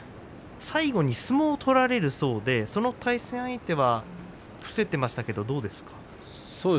最後に相撲を取られるんですね、相手は伏せていますけどもどうですか。